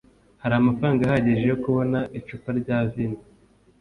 hari amafaranga ahagije yo kubona icupa rya vino